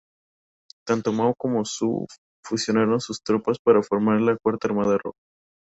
Tanto Mao como Zhu fusionaron sus tropas para formar la Cuarta Armada Roja.